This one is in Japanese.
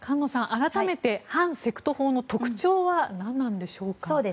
改めて反セクト法の特徴は何なのでしょうか。